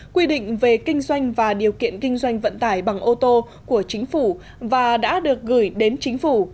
quy định về kinh doanh và điều kiện kinh doanh vận tải bằng ô tô của chính phủ và đã được gửi đến chính phủ